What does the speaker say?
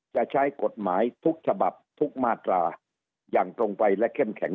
จะใช้กฎหมายทุกฉบับทุกมาตราอย่างตรงไปและเข้มแข็ง